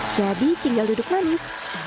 jadi tinggal duduk manis